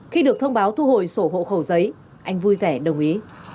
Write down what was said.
khi được thông báo thu hồi sổ hộ khẩu giấy anh vui vẻ đồng ý